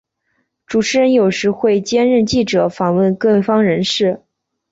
主持人有时会兼任记者访问各方人士。